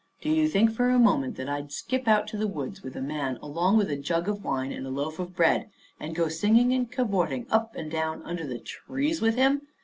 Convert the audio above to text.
Do you think for a moment that I'd skip out to the woods with a man along with a jug of wine and a loaf of bread, and go singing and cavorting up and down under the trees with him?